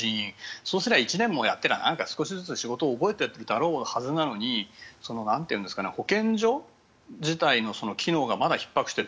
そうすれば１年もやっていれば少しずつ仕事を覚えているだろうはずなのに保健所自体の機能がまだひっ迫している。